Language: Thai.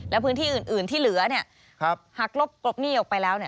และพื้นที่อื่นที่เหลือหากลบหนี้ออกไปแล้ว